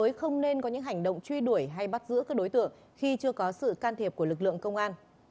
tuyệt đối không nên có những hành động truy đuổi hay bắt giữ các đối tượng khi chưa có sự can thiệp của lực lượng công an